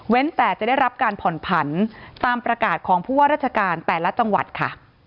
แต่จะได้รับการผ่อนผันตามประกาศของผู้ว่าราชการแต่ละจังหวัดค่ะ